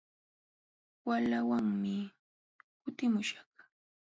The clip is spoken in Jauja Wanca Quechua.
Walamanmi kutimuśhaq.